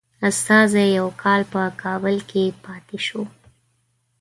استازی یو کال په کابل کې پاته شو.